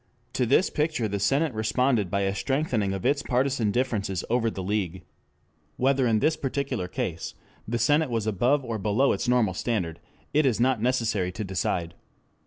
To this picture the Senate responded by a strengthening of its partisan differences over the League. 5 Whether in this particular case the Senate was above or below its normal standard, it is not necessary to decide.